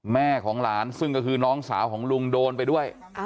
แม่ของหลานซึ่งก็คือน้องสาวของลุงโดนไปด้วย